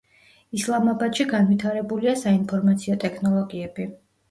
ისლამაბადში განვითარებულია საინფორმაციო ტექნოლოგიები.